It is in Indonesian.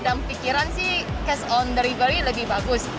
dalam pikiran sih cash on dari gue lagi bagus